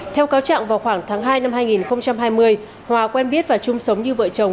theo cáo trạng vào khoảng tháng hai năm hai nghìn hai mươi hòa quen biết và chung sống như vợ chồng